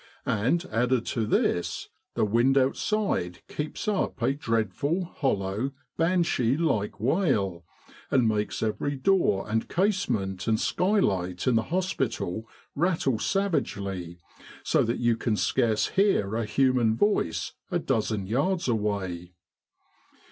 And added to this, the wind outside keeps up a dreadful, hollow, banshee like wail, and makes every door and casement and skylight in the hospital rattle savagely, so that you can scarce hear a human voice a dozen yards away.